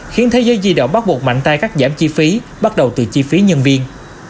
khiến thế giới di động bắt buộc mạnh tay cắt giảm chi phí bắt đầu từ chi phí nhân viên